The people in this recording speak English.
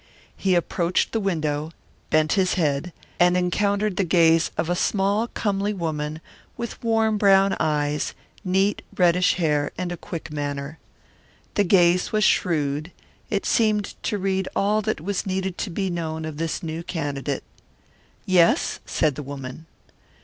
He approached the window, bent his head, and encountered the gaze of a small, comely woman with warm brown eyes, neat reddish hair, and a quick manner. The gaze was shrewd; it seemed to read all that was needed to be known of this new candidate. "Yes?" said the woman.